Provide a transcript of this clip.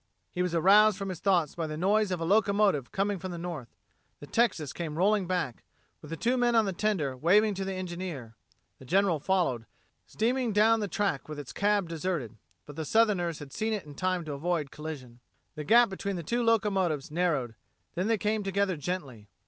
He was aroused from his thoughts by the noise of a locomotive coming from the north. The Texas came rolling back, with the two men on the tender waving to the engineer; the General followed, steaming down the track with its cab deserted. But the Southerners had seen it in time to avoid collision. The gap between the two locomotives narrowed; then they came together gently.